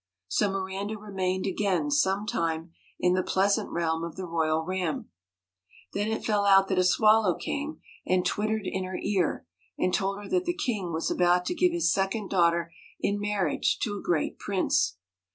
So Miranda remained again some time in the pleasant realm of the royal Ram. Then it fell out that a swallow came and twittered in her ear, and told her that the king was about to give his second daughter in marriage to a great prince.